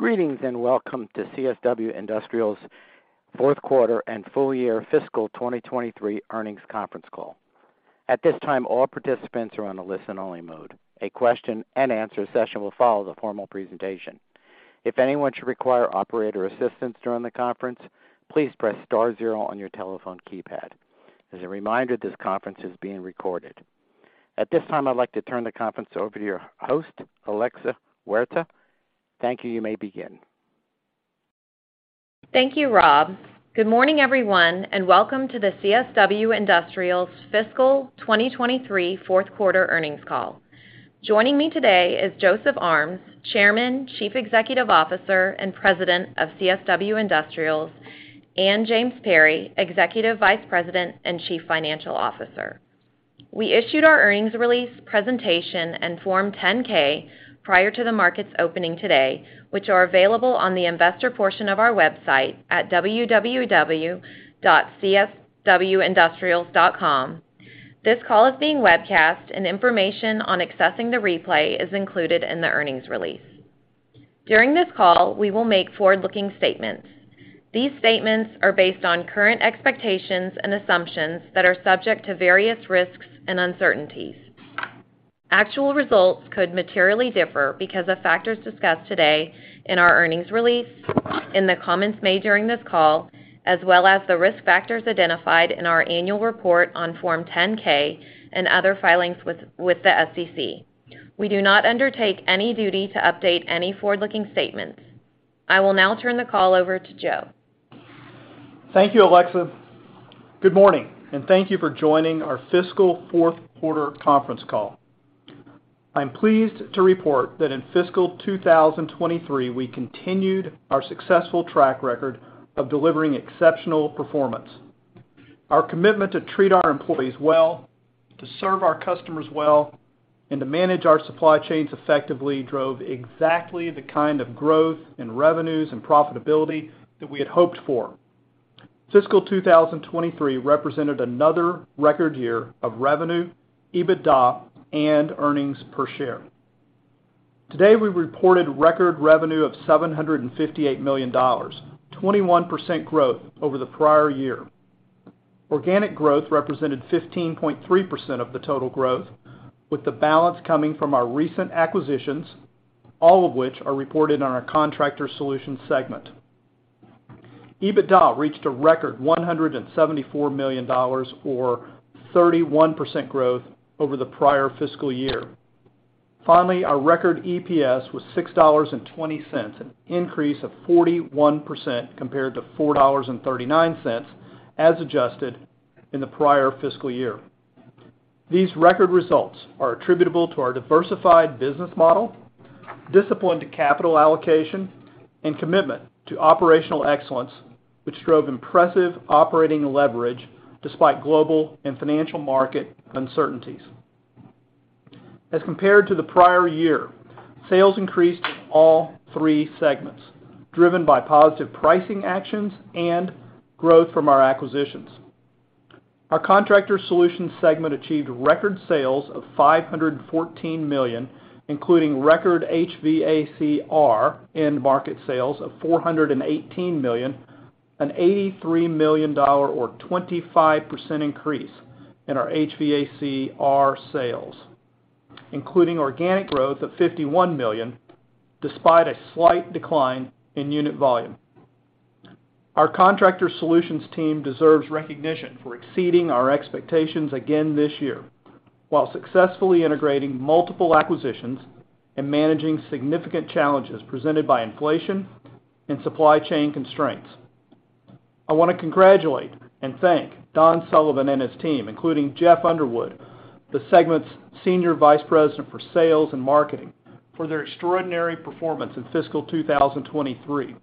Greetings, welcome to CSW Industrials' Fourth Quarter and Full Year Fiscal 2023 Earnings Conference Call. At this time, all participants are on a listen-only mode. A question and answer session will follow the formal presentation. If anyone should require operator assistance during the conference, please press star zero on your telephone keypad. As a reminder, this conference is being recorded. At this time, I'd like to turn the conference over to your host, Alexa Huerta. Thank you. You may begin. Thank you, Rob. Good morning, everyone, welcome to the CSW Industrials' Fiscal 2023 Fourth Quarter Earnings Call. Joining me today is Joseph Armes, Chairman, Chief Executive Officer, and President of CSW Industrials, and James Perry, Executive Vice President and Chief Financial Officer. We issued our earnings release presentation and Form 10-K prior to the market's opening today, which are available on the investor portion of our website at www.cswindustrials.com. This call is being webcast, and information on accessing the replay is included in the earnings release. During this call, we will make forward-looking statements. These statements are based on current expectations and assumptions that are subject to various risks and uncertainties. Actual results could materially differ because of factors discussed today in our earnings release, in the comments made during this call, as well as the risk factors identified in our annual report on Form 10-K and other filings with the SEC. We do not undertake any duty to update any forward-looking statements. I will now turn the call over to Joe. Thank you, Alexa. Good morning, and thank you for joining our fiscal fourth quarter conference call. I'm pleased to report that in fiscal 2023, we continued our successful track record of delivering exceptional performance. Our commitment to treat our employees well, to serve our customers well, and to manage our supply chains effectively drove exactly the kind of growth in revenues and profitability that we had hoped for. Fiscal 2023 represented another record year of revenue, EBITDA, and earnings per share. Today, we reported record revenue of $758 million, 21% growth over the prior year. Organic growth represented 15.3% of the total growth, with the balance coming from our recent acquisitions, all of which are reported in our Contractor Solutions segment. EBITDA reached a record $174 million, or 31% growth over the prior fiscal year. Our record EPS was $6.20, an increase of 41% compared to $4.39 as adjusted in the prior fiscal year. These record results are attributable to our diversified business model, disciplined capital allocation, and commitment to operational excellence, which drove impressive operating leverage despite global and financial market uncertainties. As compared to the prior year, sales increased in all three segments, driven by positive pricing actions and growth from our acquisitions. Our Contractor Solutions segment achieved record sales of $514 million, including record HVACR end-market sales of $418 million, an $83 million, or 25% increase in our HVACR sales, including organic growth of $51 million, despite a slight decline in unit volume. Our Contractor Solutions team deserves recognition for exceeding our expectations again this year, while successfully integrating multiple acquisitions and managing significant challenges presented by inflation and supply chain constraints. I want to congratulate and thank Don Sullivan and his team, including Jeff Underwood, the segment's Senior Vice President for Sales and Marketing, for their extraordinary performance in fiscal 2023.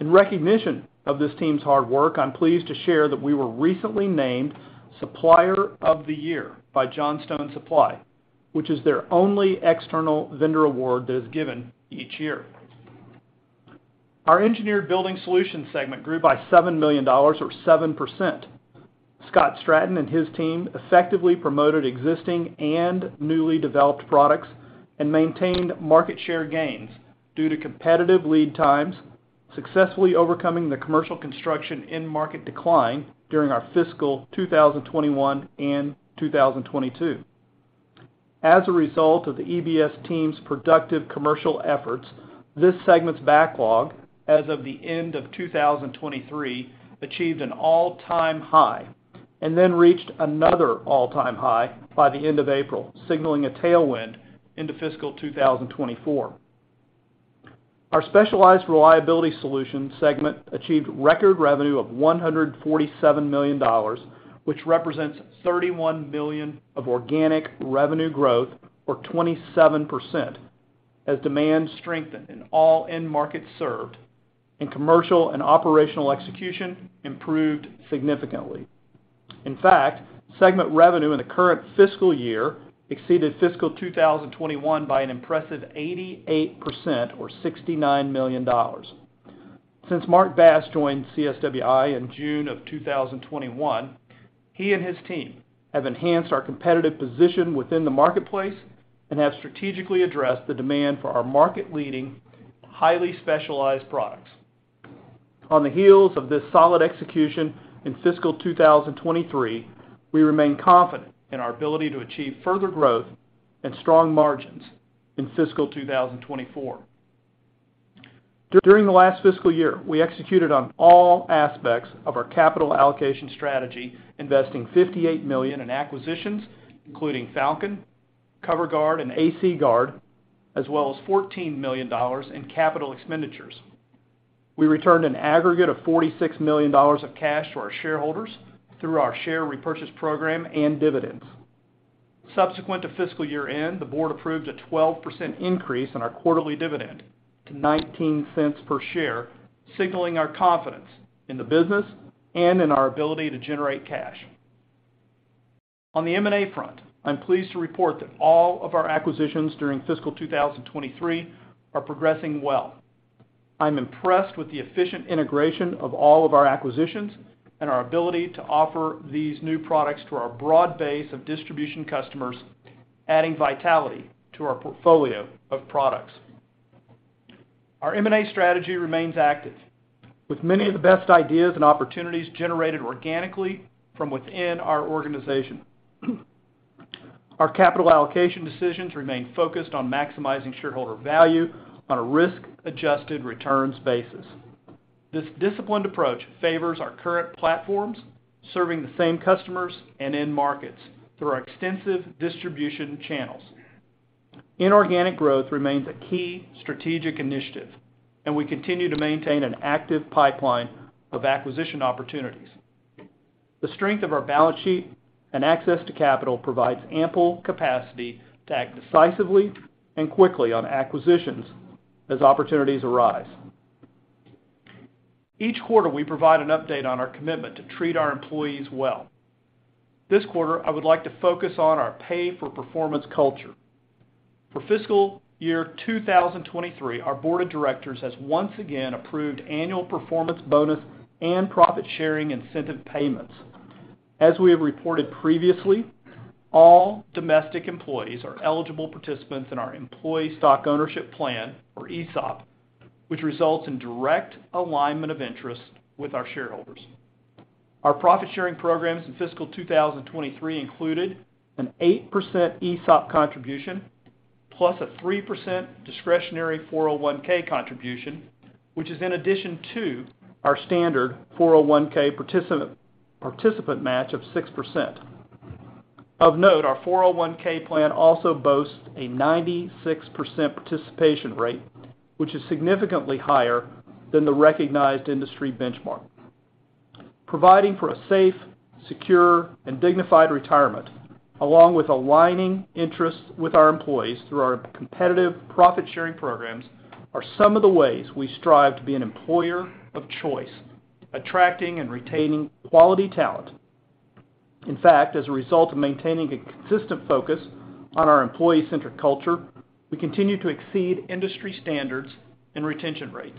In recognition of this team's hard work, I'm pleased to share that we were recently named Supplier of the Year by Johnstone Supply, which is their only external vendor award that is given each year. Our Engineered Building Solutions segment grew by $7 million or 7%. Scott Stratton and his team effectively promoted existing and newly developed products and maintained market share gains due to competitive lead times, successfully overcoming the commercial construction end-market decline during our fiscal 2021 and 2022. As a result of the EBS team's productive commercial efforts, this segment's backlog, as of the end of 2023, achieved an all-time high and then reached another all-time high by the end of April, signaling a tailwind into fiscal 2024. Our Specialized Reliability Solutions segment achieved record revenue of $147 million, which represents $31 million of organic revenue growth, or 27%, as demand strengthened in all end markets served, and commercial and operational execution improved significantly. In fact, segment revenue in the current fiscal year exceeded fiscal 2021 by an impressive 88% or $69 million. Since Mark Bass joined CSWI in June of 2021, he and his team have enhanced our competitive position within the marketplace and have strategically addressed the demand for our market-leading, highly specialized products. On the heels of this solid execution in fiscal 2023, we remain confident in our ability to achieve further growth and strong margins in fiscal 2024. During the last fiscal year, we executed on all aspects of our capital allocation strategy, investing $58 million in acquisitions, including Falcon, Cover Guard, and AC Guard, as well as $14 million in capital expenditures. We returned an aggregate of $46 million of cash to our shareholders through our share repurchase program and dividends. Subsequent to fiscal year-end, the board approved a 12% increase in our quarterly dividend to $0.19 per share, signaling our confidence in the business and in our ability to generate cash. On the M&A front, I'm pleased to report that all of our acquisitions during fiscal 2023 are progressing well. I'm impressed with the efficient integration of all of our acquisitions and our ability to offer these new products to our broad base of distribution customers, adding vitality to our portfolio of products. Our M&A strategy remains active, with many of the best ideas and opportunities generated organically from within our organization. Our capital allocation decisions remain focused on maximizing shareholder value on a risk-adjusted returns basis. This disciplined approach favors our current platforms, serving the same customers and end markets through our extensive distribution channels. Inorganic growth remains a key strategic initiative, and we continue to maintain an active pipeline of acquisition opportunities. The strength of our balance sheet and access to capital provides ample capacity to act decisively and quickly on acquisitions as opportunities arise. Each quarter, we provide an update on our commitment to treat our employees well. This quarter, I would like to focus on our pay-for-performance culture. For fiscal year 2023, our board of directors has once again approved annual performance bonus and profit-sharing incentive payments. As we have reported previously, all domestic employees are eligible participants in our Employee Stock Ownership Plan, or ESOP, which results in direct alignment of interest with our shareholders. Our profit-sharing programs in fiscal 2023 included an 8% ESOP contribution, plus a 3% discretionary 401(k) contribution, which is in addition to our standard 401(k) participant match of 6%. Of note, our 401(k) plan also boasts a 96% participation rate, which is significantly higher than the recognized industry benchmark. Providing for a safe, secure, and dignified retirement, along with aligning interests with our employees through our competitive profit-sharing programs, are some of the ways we strive to be an employer of choice, attracting and retaining quality talent. In fact, as a result of maintaining a consistent focus on our employee-centric culture, we continue to exceed industry standards and retention rates.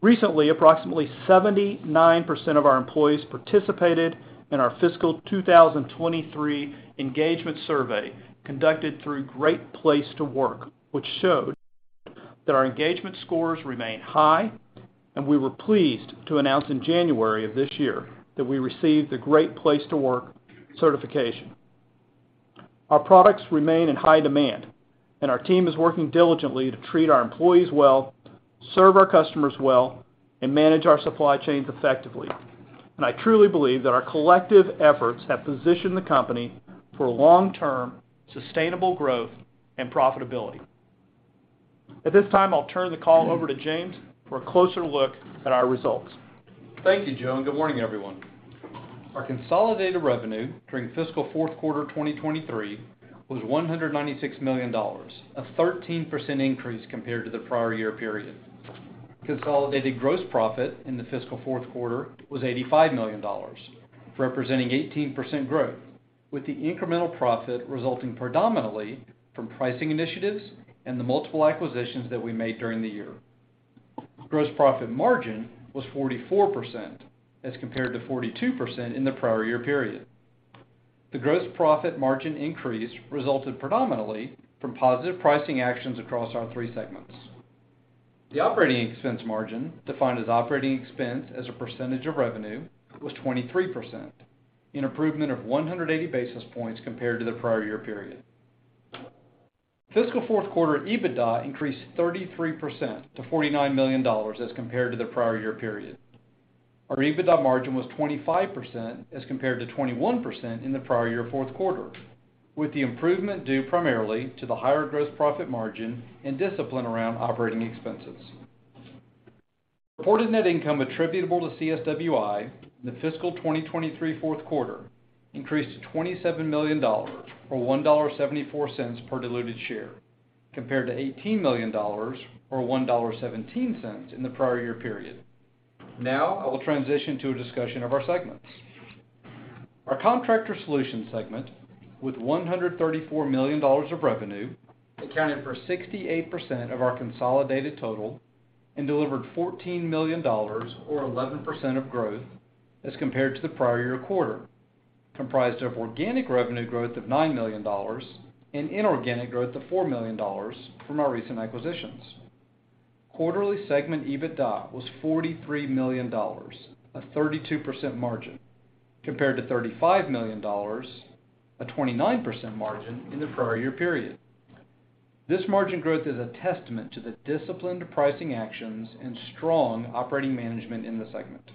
Recently, approximately 79% of our employees participated in our fiscal 2023 engagement survey, conducted through Great Place To Work, which showed that our engagement scores remain high, and we were pleased to announce in January of this year, that we received the Great Place To Work certification. Our products remain in high demand, and our team is working diligently to treat our employees well, serve our customers well, and manage our supply chains effectively. I truly believe that our collective efforts have positioned the company for long-term sustainable growth and profitability. At this time, I'll turn the call over to James for a closer look at our results. Thank you, Joe. Good morning, everyone. Our consolidated revenue during fiscal fourth quarter 2023 was $196 million, a 13% increase compared to the prior year period. Consolidated gross profit in the fiscal fourth quarter was $85 million, representing 18% growth, with the incremental profit resulting predominantly from pricing initiatives and the multiple acquisitions that we made during the year. Gross profit margin was 44%, as compared to 42% in the prior year period. The gross profit margin increase resulted predominantly from positive pricing actions across our three segments. The operating expense margin, defined as operating expense as a percentage of revenue, was 23%, an improvement of 180 basis points compared to the prior year period. Fiscal fourth quarter EBITDA increased 33% to $49 million as compared to the prior year period. Our EBITDA margin was 25%, as compared to 21% in the prior year fourth quarter, with the improvement due primarily to the higher gross profit margin and discipline around operating expenses. Reported net income attributable to CSWI in the fiscal 2023 fourth quarter increased to $27 million, or $1.74 per diluted share, compared to $18 million or $1.17 in the prior year period. Now, I will transition to a discussion of our segments. Our Contractor Solutions segment, with $134 million of revenue, accounted for 68% of our consolidated total and delivered $14 million, or 11% of growth, as compared to the prior year quarter, comprised of organic revenue growth of $9 million and inorganic growth of $4 million from our recent acquisitions. Quarterly segment EBITDA was $43 million, a 32% margin, compared to $35 million, a 29% margin in the prior year period. This margin growth is a testament to the disciplined pricing actions and strong operating management in the segment.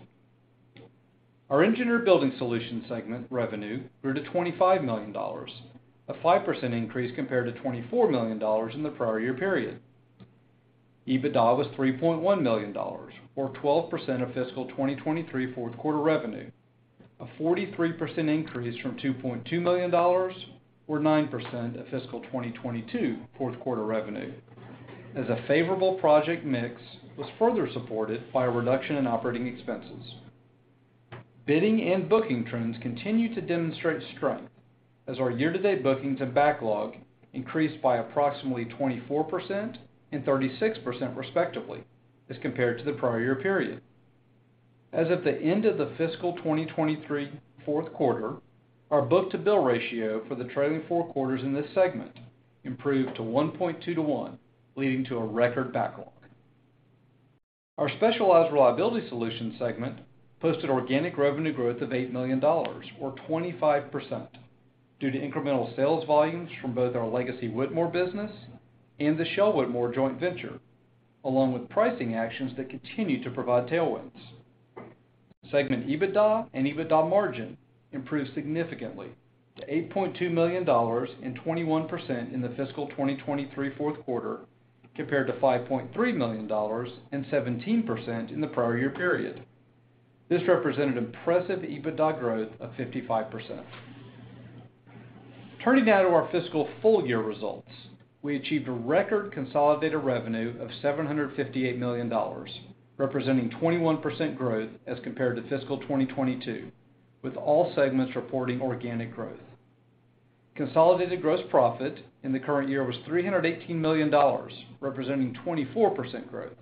Our Engineered Building Solutions segment revenue grew to $25 million, a 5% increase compared to $24 million in the prior year period. EBITDA was $3.1 million, or 12% of fiscal 2023 fourth quarter revenue, a 43% increase from $2.2 million, or 9% of fiscal 2022 fourth quarter revenue, as a favorable project mix was further supported by a reduction in operating expenses. Bidding and booking trends continue to demonstrate strength, as our year-to-date bookings and backlog increased by approximately 24% and 36%, respectively, as compared to the prior year period. As of the end of the fiscal 2023 fourth quarter, our book-to-bill ratio for the trailing four quarters in this segment improved to 1.2-1, leading to a record backlog. Our Specialized Reliability Solutions segment posted organic revenue growth of $8 million, or 25%, due to incremental sales volumes from both our legacy Whitmore business and the Shell Whitmore joint venture, along with pricing actions that continue to provide tailwinds. Segment EBITDA and EBITDA margin improved significantly to $8.2 million and 21% in the fiscal 2023 fourth quarter, compared to $5.3 million and 17% in the prior year period. This represented impressive EBITDA growth of 55%. Turning now to our fiscal full-year results. We achieved a record consolidated revenue of $758 million, representing 21% growth as compared to fiscal 2022, with all segments reporting organic growth. Consolidated gross profit in the current year was $318 million, representing 24% growth,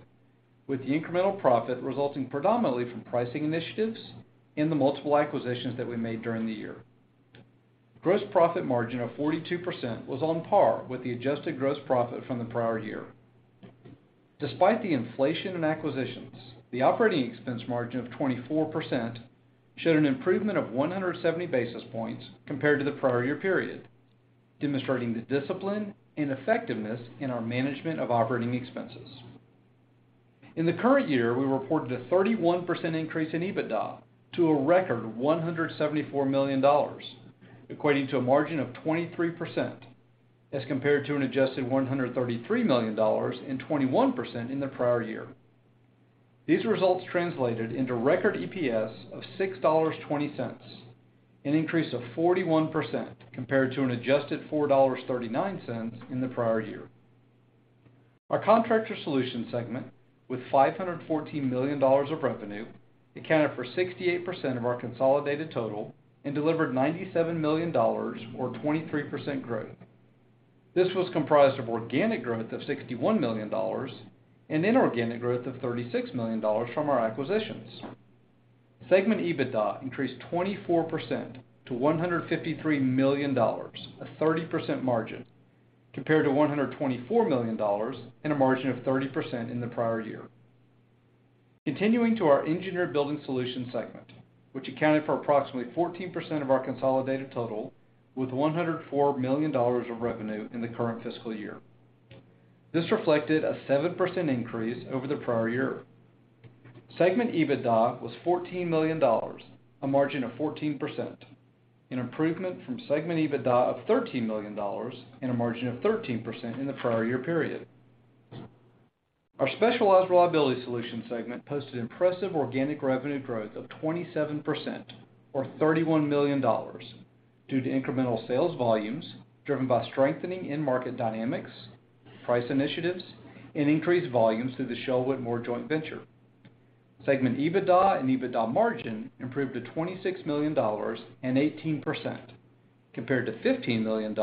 with the incremental profit resulting predominantly from pricing initiatives and the multiple acquisitions that we made during the year. Gross profit margin of 42% was on par with the adjusted gross profit from the prior year. Despite the inflation in acquisitions, the operating expense margin of 24% showed an improvement of 170 basis points compared to the prior year period, demonstrating the discipline and effectiveness in our management of operating expenses.In the current year, we reported a 31% increase in EBITDA to a record $174 million, equating to a margin of 23%, as compared to an adjusted $133 million and 21% in the prior year. These results translated into record EPS of $6.20, an increase of 41%, compared to an adjusted $4.39 in the prior year. Our Contractor Solutions segment, with $514 million of revenue, accounted for 68% of our consolidated total and delivered $97 million, or 23% growth. This was comprised of organic growth of $61 million and inorganic growth of $36 million from our acquisitions. Segment EBITDA increased 24% to $153 million, a 30% margin, compared to $124 million and a margin of 30% in the prior year. Continuing to our Engineered Building Solutions segment, which accounted for approximately 14% of our consolidated total, with $104 million of revenue in the current fiscal year. This reflected a 7% increase over the prior year. Segment EBITDA was $14 million, a margin of 14%, an improvement from segment EBITDA of $13 million and a margin of 13% in the prior year period. Our Specialized Reliability Solutions segment posted impressive organic revenue growth of 27%, or $31 million, due to incremental sales volumes driven by strengthening in-market dynamics, price initiatives, and increased volumes through the Shell Whitmore joint venture. Segment EBITDA and EBITDA margin improved to $26 million and 18%, compared to $15 million and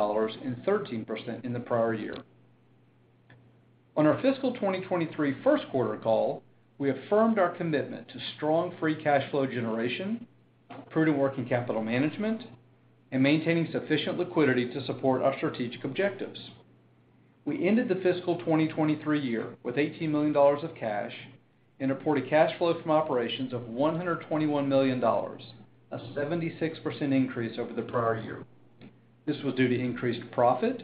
13% in the prior year. On our fiscal 2023 first quarter call, we affirmed our commitment to strong free cash flow generation, prudent working capital management, and maintaining sufficient liquidity to support our strategic objectives. We ended the fiscal 2023 year with $18 million of cash and reported cash flow from operations of $121 million, a 76% increase over the prior year. This was due to increased profit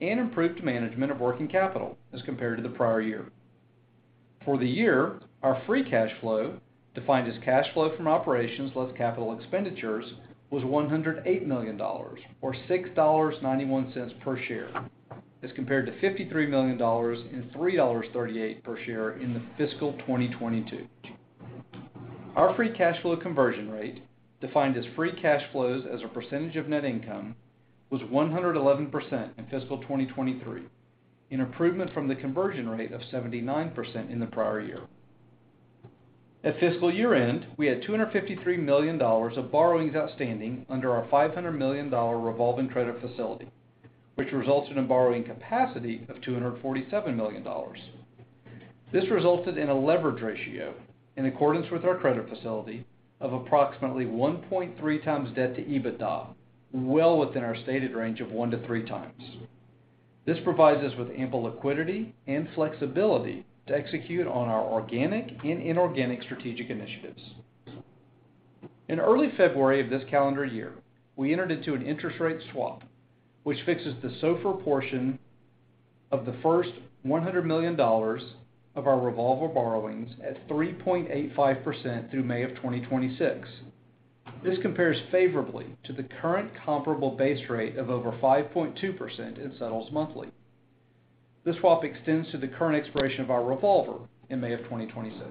and improved management of working capital as compared to the prior year. For the year, our free cash flow, defined as cash flow from operations plus capital expenditures, was $108 million, or $6.91 per share, as compared to $53 million and $3.38 per share in the fiscal 2022. Our free cash flow conversion rate, defined as free cash flows as a percentage of net income, was 111% in fiscal 2023, an improvement from the conversion rate of 79% in the prior year. At fiscal year-end, we had $253 million of borrowings outstanding under our $500 million revolving credit facility, which resulted in borrowing capacity of $247 million. This resulted in a leverage ratio, in accordance with our credit facility, of approximately 1.3x debt to EBITDA, well within our stated range of 1x-3x. This provides us with ample liquidity and flexibility to execute on our organic and inorganic strategic initiatives. In early February of this calendar year, we entered into an interest rate swap, which fixes the SOFR portion of the first $100 million of our revolver borrowings at 3.85% through May of 2026. This compares favorably to the current comparable base rate of over 5.2% and settles monthly. This swap extends to the current expiration of our revolver in May of 2026.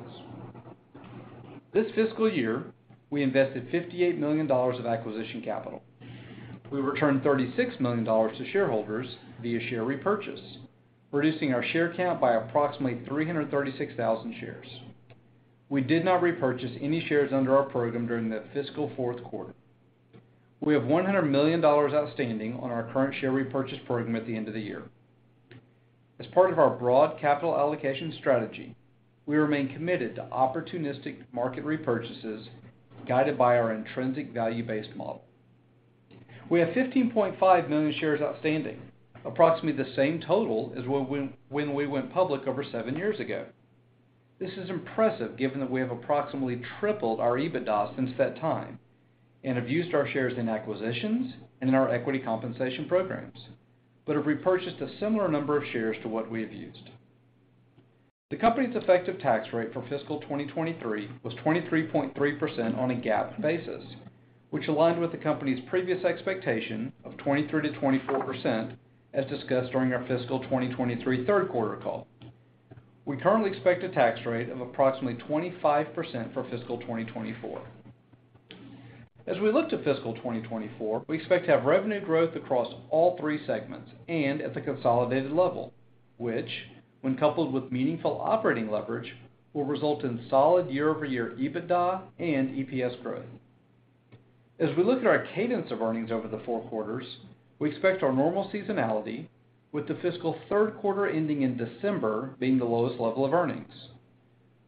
This fiscal year, we invested $58 million of acquisition capital. We returned $36 million to shareholders via share repurchase, reducing our share count by approximately 336,000 shares. We did not repurchase any shares under our program during the fiscal fourth quarter. We have $100 million outstanding on our current share repurchase program at the end of the year. As part of our broad capital allocation strategy, we remain committed to opportunistic market repurchases, guided by our intrinsic value-based model. We have 15.5 million shares outstanding, approximately the same total as when we went public over seven years ago. This is impressive, given that we have approximately tripled our EBITDA since that time, and have used our shares in acquisitions and in our equity compensation programs, but have repurchased a similar number of shares to what we have used. The company's effective tax rate for fiscal 2023 was 23.3% on a GAAP basis, which aligned with the company's previous expectation of 23%-24%, as discussed during our fiscal 2023 third quarter call. We currently expect a tax rate of approximately 25% for fiscal 2024. As we look to fiscal 2024, we expect to have revenue growth across all three segments and at the consolidated level, which, when coupled with meaningful operating leverage, will result in solid year-over-year EBITDA and EPS growth. As we look at our cadence of earnings over the four quarters, we expect our normal seasonality, with the fiscal third quarter ending in December being the lowest level of earnings.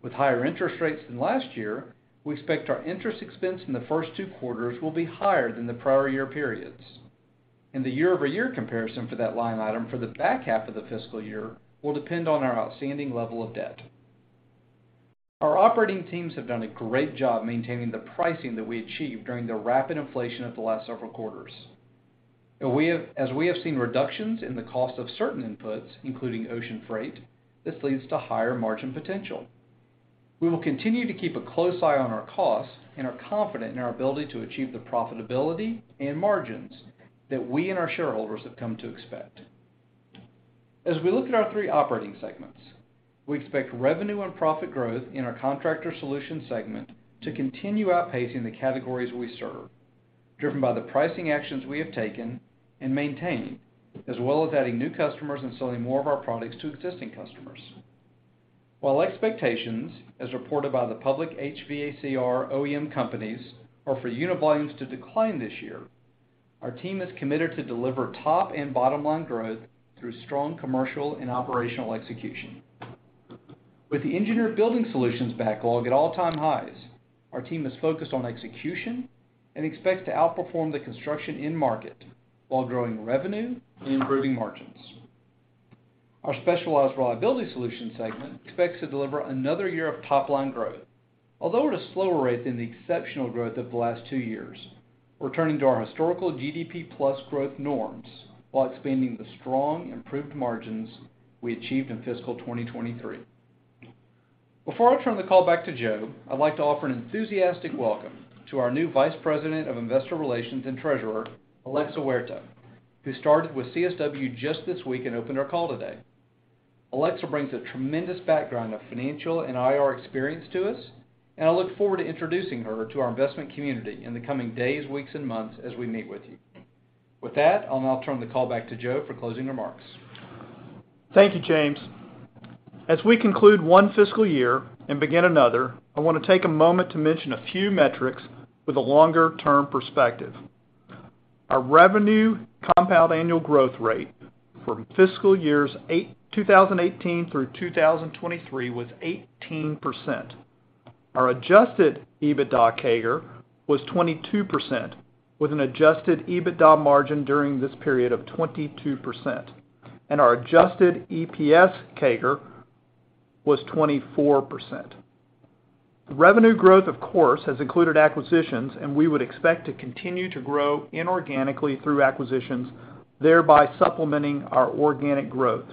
With higher interest rates than last year, we expect our interest expense in the first two quarters will be higher than the prior year periods. The year-over-year comparison for that line item for the back half of the fiscal year will depend on our outstanding level of debt. Our operating teams have done a great job maintaining the pricing that we achieved during the rapid inflation of the last several quarters. As we have seen reductions in the cost of certain inputs, including ocean freight, this leads to higher margin potential. We will continue to keep a close eye on our costs and are confident in our ability to achieve the profitability and margins that we and our shareholders have come to expect. As we look at our three operating segments, we expect revenue and profit growth in our Contractor Solutions segment to continue outpacing the categories we serve, driven by the pricing actions we have taken and maintained, as well as adding new customers and selling more of our products to existing customers. While expectations, as reported by the public HVACR OEM companies, are for unit volumes to decline this year, our team is committed to deliver top and bottom line growth through strong commercial and operational execution. With the Engineered Building Solutions backlog at all-time highs, our team is focused on execution and expects to outperform the construction end market while growing revenue and improving margins. Our Specialized Reliability Solutions segment expects to deliver another year of top-line growth, although at a slower rate than the exceptional growth of the last two years, returning to our historical GDP + growth norms while expanding the strong improved margins we achieved in fiscal 2023. Before I turn the call back to Joe, I'd like to offer an enthusiastic welcome to our new Vice President of Investor Relations and Treasurer, Alexa Huerta, who started with CSW just this week and opened our call today. Alexa brings a tremendous background of financial and IR experience to us, and I look forward to introducing her to our investment community in the coming days, weeks, and months as we meet with you. With that, I'll now turn the call back to Joe for closing remarks. Thank you, James. As we conclude one fiscal year and begin another, I want to take a moment to mention a few metrics with a longer-term perspective. Our revenue compound annual growth rate from fiscal years 2018 through 2023 was 18%. Our adjusted EBITDA CAGR was 22%, with an adjusted EBITDA margin during this period of 22%. Our adjusted EPS CAGR was 24%. Revenue growth, of course, has included acquisitions. We would expect to continue to grow inorganically through acquisitions, thereby supplementing our organic growth.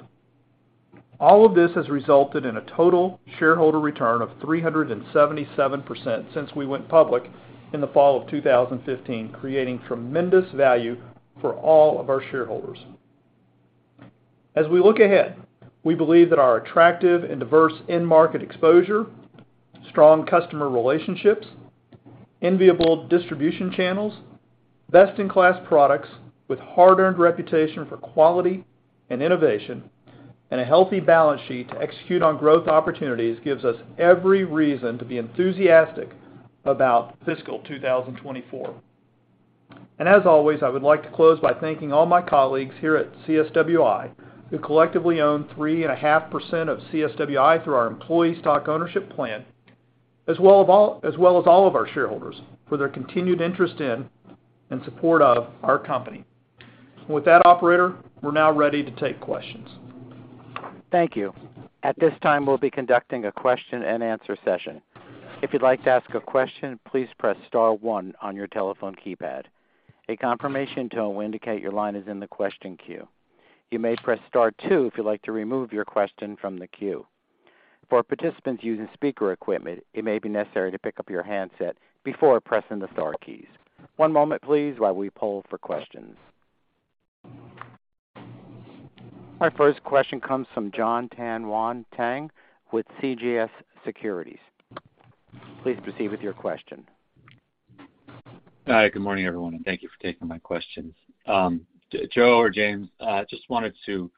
All of this has resulted in a total shareholder return of 377% since we went public in the fall of 2015, creating tremendous value for all of our shareholders. As we look ahead, we believe that our attractive and diverse end market exposure, strong customer relationships, enviable distribution channels, best-in-class products with hard-earned reputation for quality and innovation, and a healthy balance sheet to execute on growth opportunities gives us every reason to be enthusiastic about fiscal 2024. As always, I would like to close by thanking all my colleagues here at CSWI, who collectively own 3.5% of CSWI through our employee stock ownership plan, as well as all of our shareholders for their continued interest in and support of our company. With that, operator, we're now ready to take questions. Thank you. At this time, we'll be conducting a question-and-answer session. If you'd like to ask a question, please press star one on your telephone keypad. A confirmation tone will indicate your line is in the question queue. You may press star two if you'd like to remove your question from the queue. For participants using speaker equipment, it may be necessary to pick up your handset before pressing the star keys. One moment, please, while we poll for questions. Our first question comes from John Tanwanteng with CJS Securities. Please proceed with your question. Hi, good morning, everyone, and thank you for taking my questions. Joe or James, just wanted to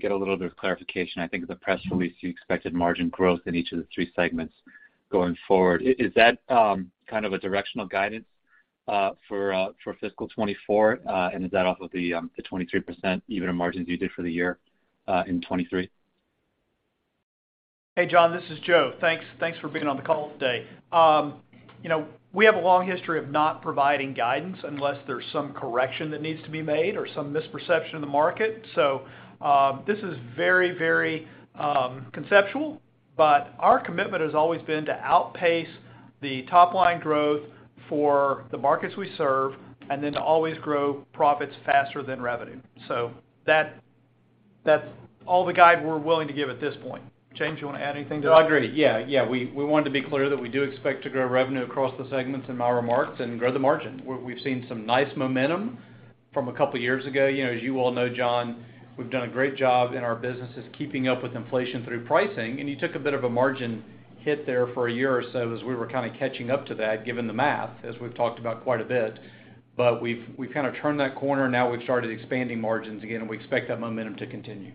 get a little bit of clarification. I think in the press release, you expected margin growth in each of the three segments going forward. Is that kind of a directional guidance for fiscal 2024? Is that off of the 23%, even in margins you did for the year, in 2023? Hey, John, this is Joe. Thanks for being on the call today. You know, we have a long history of not providing guidance unless there's some correction that needs to be made or some misperception in the market. This is very, very conceptual, but our commitment has always been to outpace the top line growth for the markets we serve and then to always grow profits faster than revenue. That's all the guide we're willing to give at this point. James, you want to add anything to that? No, I agree. Yeah, yeah. We want to be clear that we do expect to grow revenue across the segments in my remarks and grow the margin, where we've seen some nice momentum from a couple of years ago. You know, as you all know, John, we've done a great job in our businesses, keeping up with inflation through pricing, and you took a bit of a margin hit there for a year or so as we were kind of catching up to that, given the math, as we've talked about quite a bit. We've kind of turned that corner, now we've started expanding margins again, and we expect that momentum to continue.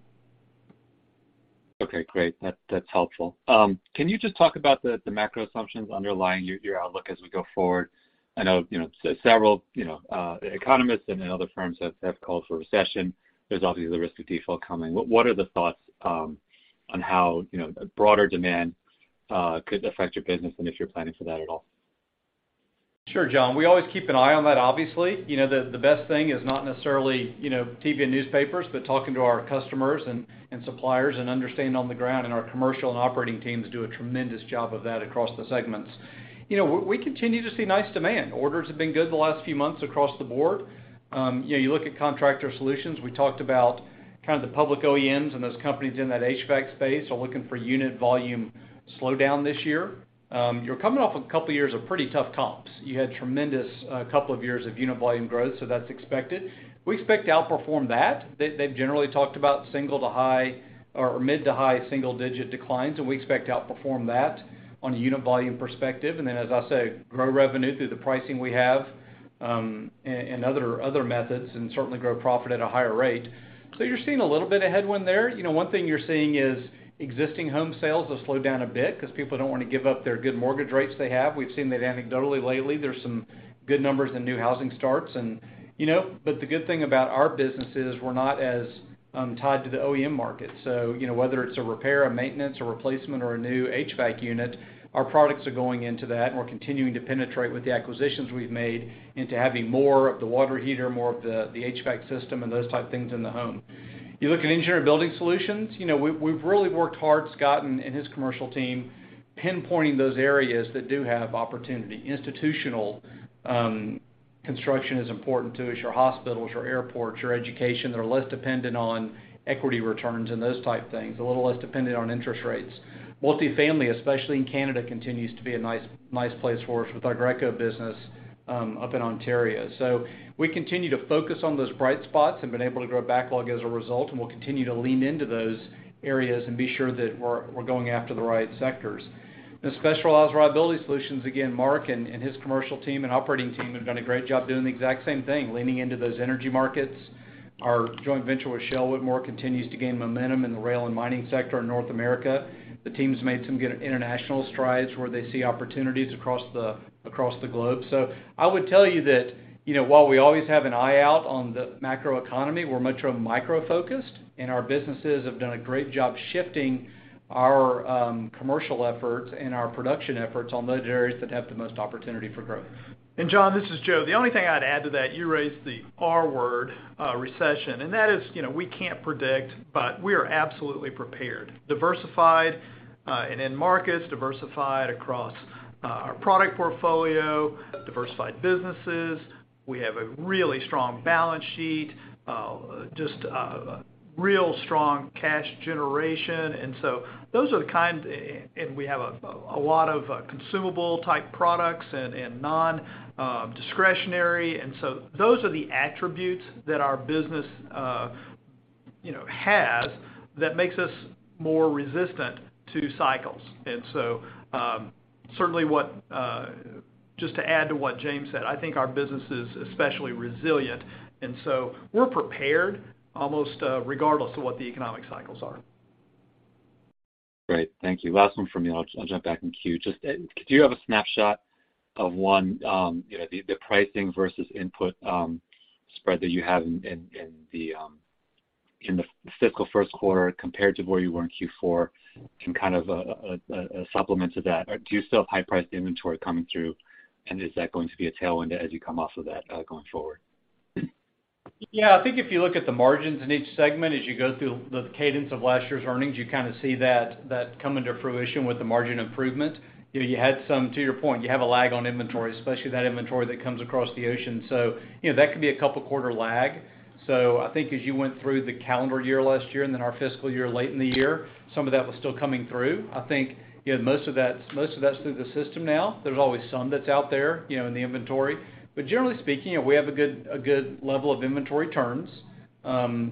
Okay, great. That's helpful. Can you just talk about the macro assumptions underlying your outlook as we go forward? I know, you know, several, you know, economists and other firms have called for a recession. There's obviously the risk of default coming. What are the thoughts on how, you know, a broader demand could affect your business and if you're planning for that at all? Sure, John. We always keep an eye on that, obviously. You know, the best thing is not necessarily, you know, TV and newspapers, but talking to our customers and suppliers and understanding on the ground, Our commercial and operating teams do a tremendous job of that across the segments. You know, we continue to see nice demand. Orders have been good the last few months across the board. You know, you look at Contractor Solutions, we talked about kind of the public OEMs and those companies in that HVAC space are looking for unit volume slowdown this year. You're coming off a couple of years of pretty tough comps. You had tremendous couple of years of unit volume growth, so that's expected. We expect to outperform that. They've generally talked about single to high or mid to high single-digit declines. We expect to outperform that on a unit volume perspective. Then, as I say, grow revenue through the pricing we have, and other methods. Certainly grow profit at a higher rate. You're seeing a little bit of headwind there. You know, one thing you're seeing is existing home sales have slowed down a bit because people don't want to give up their good mortgage rates they have. We've seen that anecdotally lately. There's some good numbers in new housing starts, you know, the good thing about our business is we're not as tied to the OEM market.you know, whether it's a repair, a maintenance, a replacement, or a new HVAC unit, our products are going into that, and we're continuing to penetrate with the acquisitions we've made into having more of the water heater, more of the HVAC system, and those type of things in the home. You look at Engineered Building Solutions, you know, we've really worked hard, Scott and his commercial team, pinpointing those areas that do have opportunity. Institutional construction is important to us, your hospitals, your airports, your education, that are less dependent on equity returns and those type things, a little less dependent on interest rates. Multifamily, especially in Canada, continues to be a nice place for us with our Greco business up in Ontario. We continue to focus on those bright spots and been able to grow backlog as a result, and we'll continue to lean into those areas and be sure that we're going after the right sectors. The Specialized Reliability Solutions, again, Mark and his commercial team and operating team have done a great job doing the exact same thing, leaning into those energy markets. Our joint venture with Shell & Whitmore Reliability Solutions continues to gain momentum in the rail and mining sector in North America. The team's made some good international strides where they see opportunities across the globe. I would tell you that, you know, while we always have an eye out on the macroeconomy, we're much more micro-focused, and our businesses have done a great job shifting our commercial efforts and our production efforts on those areas that have the most opportunity for growth. John, this is Joe. The only thing I'd add to that, you raised the R word, recession, you know, we can't predict, but we are absolutely prepared. Diversified in markets, diversified across our product portfolio, diversified businesses. We have a really strong balance sheet, a real strong cash generation. We have a lot of consumable type products and non-discretionary, those are the attributes that our business, you know, has that makes us more resistant to cycles. Certainly what, just to add to what James said, I think our business is especially resilient, we're prepared almost regardless of what the economic cycles are. Great. Thank you. Last one from me, I'll jump back in queue. Just, could you have a snapshot of one, you know, the pricing versus input, spread that you have in the fiscal first quarter compared to where you were in Q4? And kind of, a supplement to that, do you still have high-priced inventory coming through, and is that going to be a tailwind as you come off of that, going forward? I think if you look at the margins in each segment, as you go through the cadence of last year's earnings, you kind of see that coming to fruition with the margin improvement. You know, to your point, you have a lag on inventory, especially that inventory that comes across the ocean. You know, that could be a two quarter lag. I think as you went through the calendar year last year and then our fiscal year, late in the year, some of that was still coming through. I think, you know, most of that's through the system now. There's always some that's out there, you know, in the inventory. Generally speaking, we have a good level of inventory turns.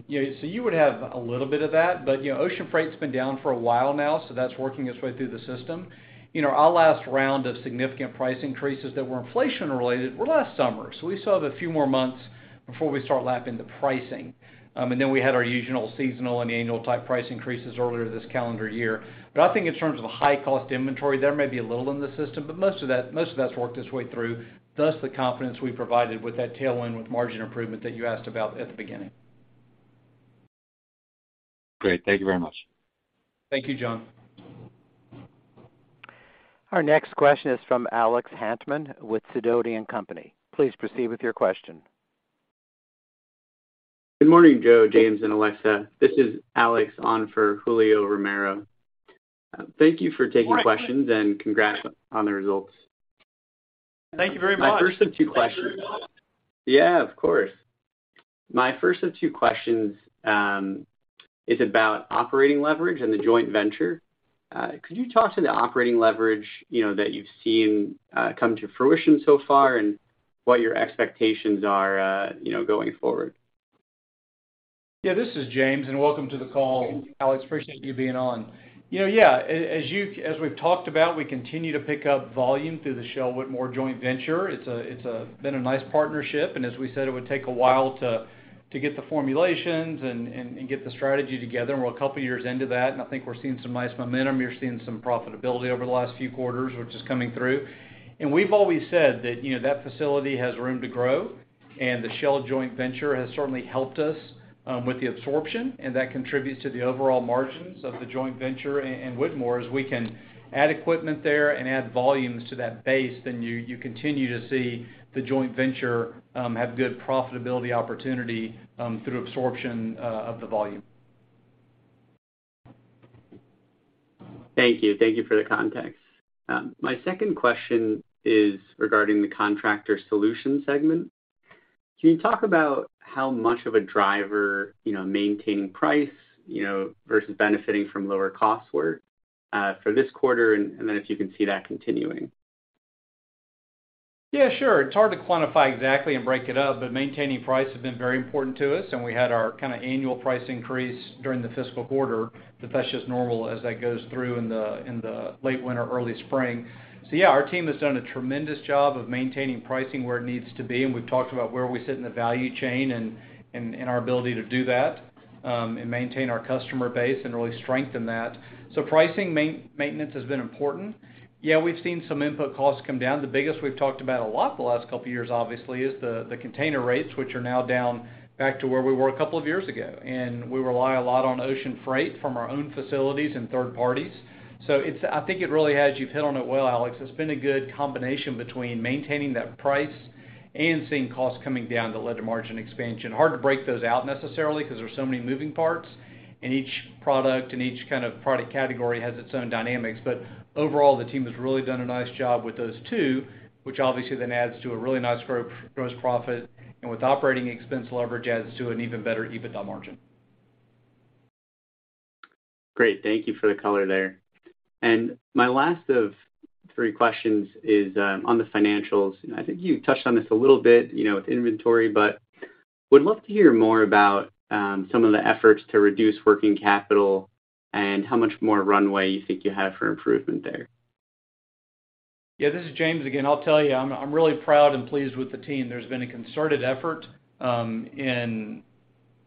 You would have a little bit of that, but, you know, ocean freight's been down for a while now, so that's working its way through the system. You know, our last round of significant price increases that were inflation-related were last summer, so we still have a few more months before we start lapping the pricing. We had our usual seasonal and annual type price increases earlier this calendar year. I think in terms of a high cost inventory, there may be a little in the system, but most of that's worked its way through, thus the confidence we provided with that tailwind with margin improvement that you asked about at the beginning. Great. Thank you very much. Thank you, John. Our next question is from Alex Hantman with Sidoti & Company. Please proceed with your question. Good morning, Joe, James, and Alexa. This is Alex on for Julio Romero. Thank you for taking questions. Morning, Alex. Congrats on the results. Thank you very much. My first of two questions. Thank you very much. Yeah, of course. My first of two questions is about operating leverage and the joint venture. Could you talk to the operating leverage, you know, that you've seen come to fruition so far, and what your expectations are, you know, going forward? Yeah, this is James. Welcome to the call, Alex. Appreciate you being on. You know, yeah, as we've talked about, we continue to pick up volume through the Shell Whitmore joint venture. It's been a nice partnership. As we said, it would take a while to get the formulations and get the strategy together. We're a couple of years into that, and I think we're seeing some nice momentum. You're seeing some profitability over the last few quarters, which is coming through. We've always said that, you know, that facility has room to grow, and the Shell joint venture has certainly helped us with the absorption, and that contributes to the overall margins of the joint venture. Whitmore, as we can add equipment there and add volumes to that base, then you continue to see the joint venture have good profitability opportunity through absorption of the volume. Thank you. Thank you for the context. My second question is regarding the Contractor Solutions segment. Can you talk about how much of a driver, you know, maintaining price, you know, versus benefiting from lower costs were for this quarter, and then if you can see that continuing? Sure. It's hard to quantify exactly and break it up, but maintaining price has been very important to us, and we had our kind of annual price increase during the fiscal quarter. That's just normal as that goes through in the late winter, early spring. Our team has done a tremendous job of maintaining pricing where it needs to be, and we've talked about where we sit in the value chain and our ability to do that and maintain our customer base and really strengthen that. Pricing maintenance has been important. We've seen some input costs come down. The biggest we've talked about a lot the last couple of years, obviously, is the container rates, which are now down back to where we were a couple of years ago. We rely a lot on ocean freight from our own facilities and third parties. I think it really has. You've hit on it well, Alex. It's been a good combination between maintaining that price and seeing costs coming down that led to margin expansion. Hard to break those out necessarily, because there are so many moving parts, and each product and each kind of product category has its own dynamics. Overall, the team has really done a nice job with those two, which obviously then adds to a really nice growth, gross profit, and with operating expense leverage, adds to an even better EBITDA margin. Great. Thank you for the color there. My last of three questions is on the financials. I think you touched on this a little bit, you know, with inventory, but would love to hear more about some of the efforts to reduce working capital and how much more runway you think you have for improvement there. This is James again. I'll tell you, I'm really proud and pleased with the team. There's been a concerted effort in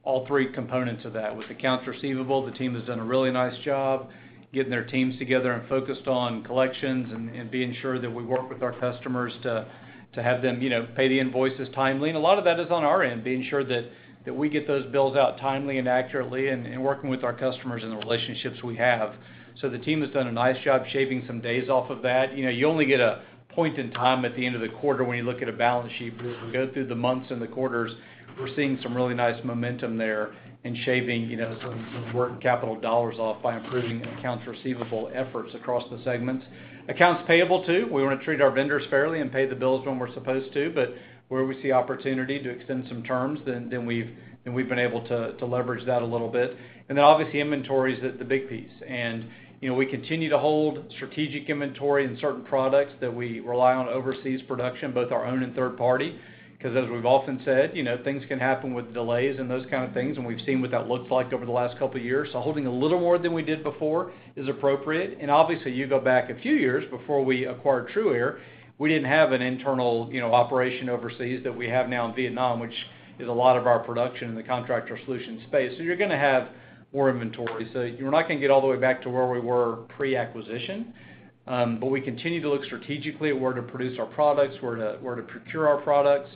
all three components of that. With accounts receivable, the team has done a really nice job getting their teams together and focused on collections and being sure that we work with our customers to have them, you know, pay the invoices timely. A lot of that is on our end, being sure that we get those bills out timely and accurately and working with our customers and the relationships we have. The team has done a nice job shaving some days off of that. You know, you only get a point in time at the end of the quarter when you look at a balance sheet. As we go through the months and the quarters, we're seeing some really nice momentum there and shaving, you know, some working capital dollars off by improving accounts receivable efforts across the segments. Accounts payable, too. We want to treat our vendors fairly and pay the bills when we're supposed to. Where we see opportunity to extend some terms, then we've been able to leverage that a little bit. Then obviously, inventory is the big piece. You know, we continue to hold strategic inventory in certain products that we rely on overseas production, both our own and third party, because as we've often said, you know, things can happen with delays and those kind of things, and we've seen what that looks like over the last couple of years. Holding a little more than we did before is appropriate. Obviously, you go back a few years before we acquired TRUaire, we didn't have an internal, you know, operation overseas that we have now in Vietnam, which is a lot of our production in the Contractor Solutions space. You're gonna have more inventory. We're not gonna get all the way back to where we were pre-acquisition, but we continue to look strategically at where to produce our products, where to procure our products.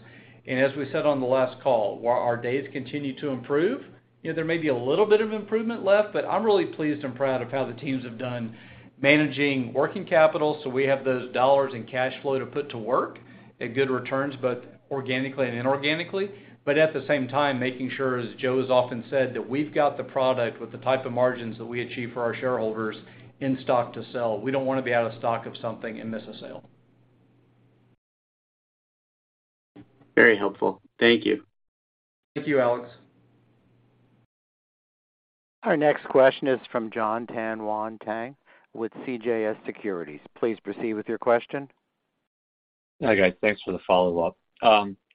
As we said on the last call, while our days continue to improve, you know, there may be a little bit of improvement left, but I'm really pleased and proud of how the teams have done managing working capital. We have those dollars in cash flow to put to work at good returns, both organically and inorganically, but at the same time, making sure, as Joe has often said, that we've got the product with the type of margins that we achieve for our shareholders in stock to sell. We don't wanna be out of stock of something and miss a sale. Very helpful. Thank you. Thank you, Alex. Our next question is from John Tanwanteng with CJS Securities. Please proceed with your question. Hi, guys. Thanks for the follow-up.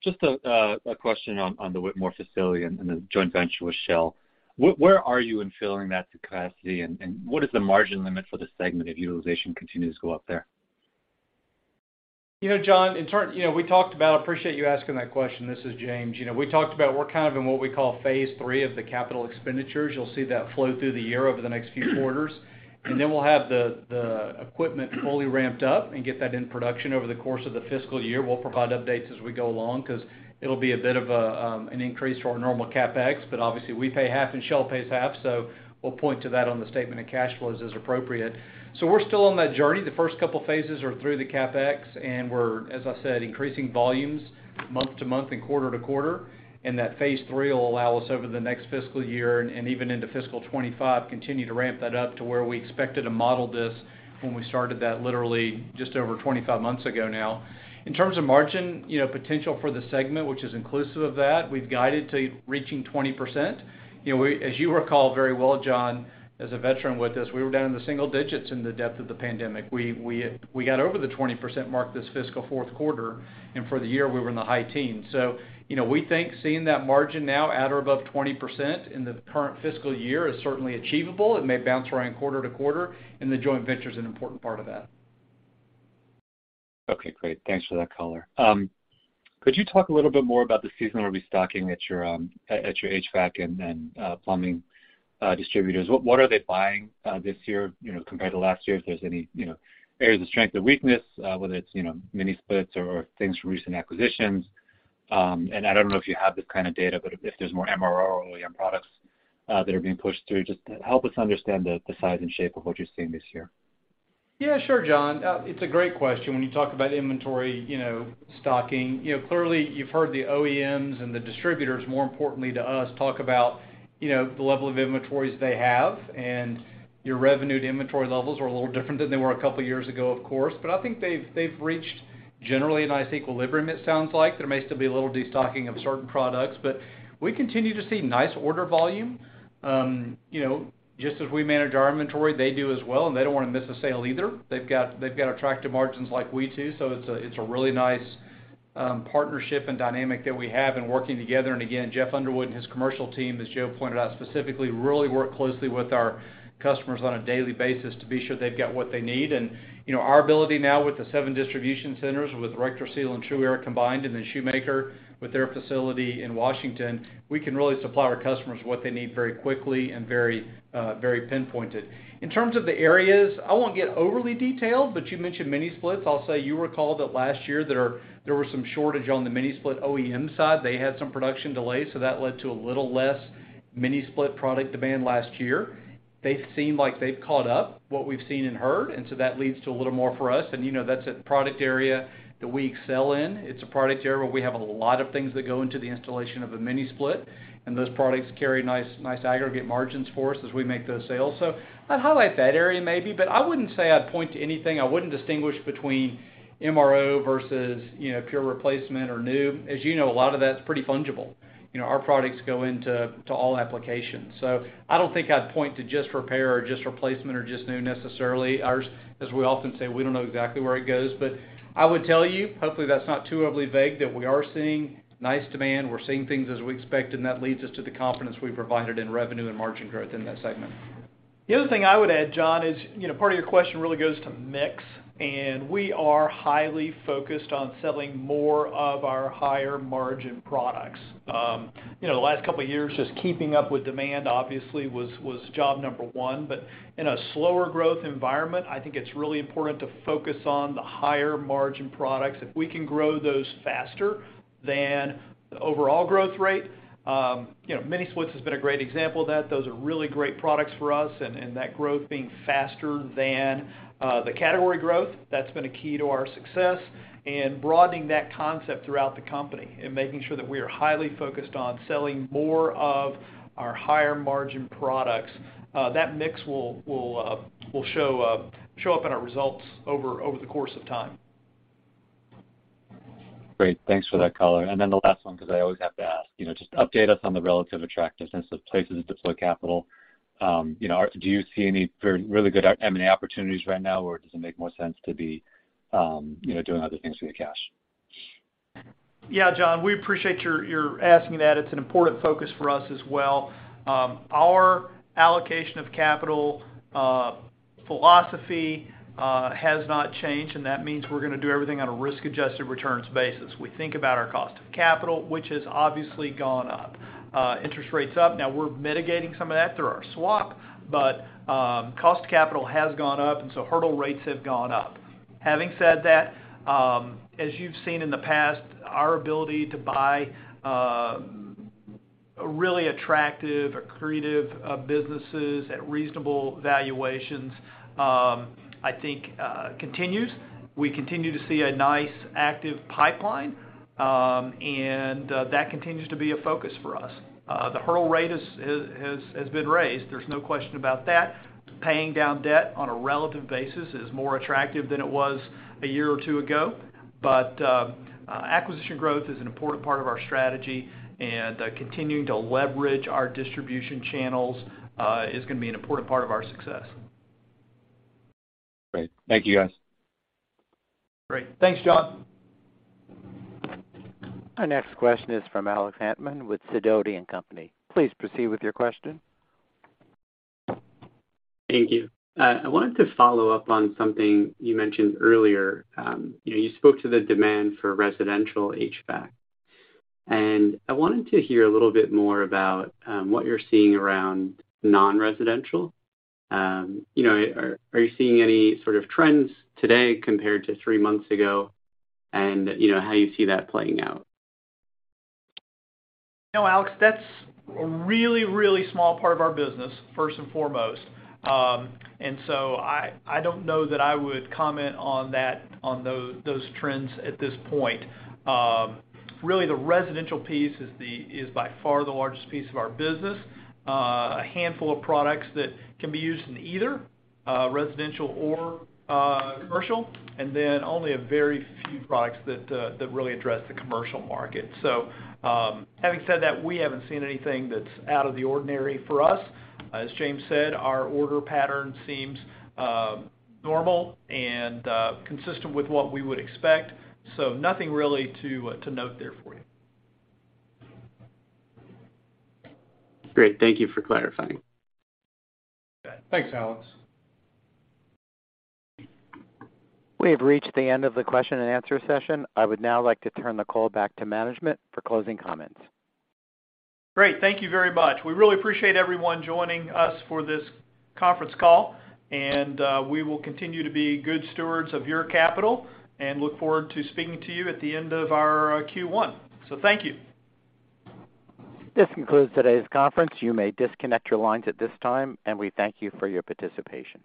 Just a question on the Whitmore facility and the joint venture with Shell. Where are you in filling that to capacity? What is the margin limit for the segment if utilization continues to go up there? You know, John, you know, we talked about, I appreciate you asking that question. This is James. You know, we talked about we're kind of in what we call phase III of the capital expenditures. You'll see that flow through the year over the next few quarters, then we'll have the equipment fully ramped up and get that in production over the course of the fiscal year. We'll provide updates as we go along because it'll be a bit of an increase to our normal CapEx, obviously, we pay half, and Shell pays half, we'll point to that on the statement of cash flows as appropriate. We're still on that journey. The first couple of phases are through the CapEx, and we're, as I said, increasing volumes month-to-month and quarter-to-quarter, and that phase III will allow us over the next fiscal year and even into fiscal 2025, continue to ramp that up to where we expected to model this when we started that literally just over 25 months ago now. In terms of margin, you know, potential for the segment, which is inclusive of that, we've guided to reaching 20%. You know, as you recall very well, John, as a veteran with us, we were down in the single digits in the depth of the pandemic. We got over the 20% mark this fiscal fourth quarter. For the year, we were in the high teens.you know, we think seeing that margin now at or above 20% in the current fiscal year is certainly achievable. It may bounce around quarter to quarter, and the joint venture is an important part of that. Okay, great. Thanks for that color. Could you talk a little bit more about the seasonal restocking at your HVAC and plumbing distributors? What are they buying this year, you know, compared to last year? If there's any, you know, areas of strength or weakness, whether it's, you know, mini-splits or things from recent acquisitions. I don't know if you have this kind of data, but if there's more MRO or OEM products that are being pushed through, just help us understand the size and shape of what you're seeing this year. Yeah, sure, John. It's a great question. When you talk about inventory, you know, stocking, you know, clearly, you've heard the OEMs and the distributors, more importantly to us, talk about, you know, the level of inventories they have. Your revenue to inventory levels are a little different than they were two years ago, of course. I think they've reached generally a nice equilibrium, it sounds like. There may still be a little destocking of certain products, but we continue to see nice order volume. You know, just as we manage our inventory, they do as well, and they don't want to miss a sale either. They've got attractive margins like we do. It's a really nice partnership and dynamic that we have in working together. Again, Jeff Underwood and his commercial team, as Joe pointed out, specifically, really work closely with our customers on a daily basis to be sure they've got what they need. You know, our ability now with the seven distribution centers, with RectorSeal and TRUaire combined, then Shoemaker, with their facility in Washington, we can really supply our customers what they need very quickly and very pinpointed. In terms of the areas, I won't get overly detailed, but you mentioned mini-splits. I'll say you recall that last year, there was some shortage on the mini-split OEM side. They had some production delays, that led to a little less mini-split product demand last year. They seem like they've caught up, what we've seen and heard, that leads to a little more for us. You know, that's a product area that we excel in. It's a product area where we have a lot of things that go into the installation of a mini-split, and those products carry nice aggregate margins for us as we make those sales. I'd highlight that area maybe, but I wouldn't say I'd point to anything. I wouldn't distinguish between MRO versus, you know, pure replacement or new. As you know, a lot of that's pretty fungible. You know, our products go into all applications. I don't think I'd point to just repair or just replacement or just new necessarily. Ours, as we often say, we don't know exactly where it goes, but I would tell you, hopefully, that's not too overly vague, that we are seeing nice demand. We're seeing things as we expect, and that leads us to the confidence we provided in revenue and margin growth in that segment. The other thing I would add, John, is, you know, part of your question really goes to mix. We are highly focused on selling more of our higher margin products. You know, the last couple of years, just keeping up with demand, obviously, was job number one. In a slower growth environment, I think it's really important to focus on the higher margin products. If we can grow those faster than the overall growth rate, you know, mini-splits has been a great example of that. Those are really great products for us, and that growth being faster than the category growth, that's been a key to our success.broadening that concept throughout the company and making sure that we are highly focused on selling more of our higher margin products, that mix will show up in our results over the course of time. Great. Thanks for that color. Then the last one, because I always have to ask, you know, just update us on the relative attractiveness of places to deploy capital. You know, do you see any very, really good M&A opportunities right now, or does it make more sense to be, you know, doing other things with your cash? Yeah, John, we appreciate your asking that. It's an important focus for us as well. Our allocation of capital philosophy has not changed. That means we're gonna do everything on a risk-adjusted returns basis. We think about our cost of capital, which has obviously gone up. Interest rate's up. Now, we're mitigating some of that through our swap, but cost of capital has gone up. Hurdle rates have gone up. Having said that, as you've seen in the past, our ability to buy really attractive, accretive businesses at reasonable valuations, I think continues. We continue to see a nice, active pipeline. That continues to be a focus for us. The hurdle rate is, has been raised. There's no question about that. Paying down debt on a relative basis is more attractive than it was a year or two ago. Acquisition growth is an important part of our strategy, and continuing to leverage our distribution channels, is gonna be an important part of our success. Great. Thank you, guys. Great. Thanks, John. Our next question is from Alex Hantman with Sidoti & Company. Please proceed with your question. Thank you. I wanted to follow up on something you mentioned earlier. You know, you spoke to the demand for residential HVAC, and I wanted to hear a little bit more about what you're seeing around non-residential. You know, are you seeing any sort of trends today compared to three months ago? You know, how you see that playing out? You know, Alex, that's a really, really small part of our business, first and foremost. I don't know that I would comment on those trends at this point. Really, the residential piece is by far the largest piece of our business. A handful of products that can be used in either residential or commercial, and then only a very few products that really address the commercial market. Having said that, we haven't seen anything that's out of the ordinary for us. As James said, our order pattern seems normal and consistent with what we would expect, so nothing really to note there for you. Great. Thank you for clarifying. Thanks, Alex. We have reached the end of the question and answer session. I would now like to turn the call back to management for closing comments. Great. Thank you very much. We really appreciate everyone joining us for this conference call, and, we will continue to be good stewards of your capital and look forward to speaking to you at the end of our Q1. Thank you. This concludes today's conference. You may disconnect your lines at this time, and we thank you for your participation.